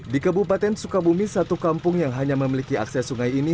di kabupaten sukabumi satu kampung yang hanya memiliki akses sungai ini